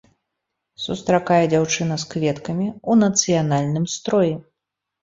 Сустракае дзяўчына з кветкамі ў нацыянальным строі.